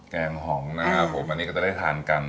แกงหอมนะครับผมหรือจะได้ทานกัน